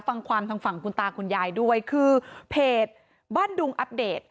ฟังความทางฝั่งคุณตาคุณยายด้วยคือเพจบ้านดุงอัปเดต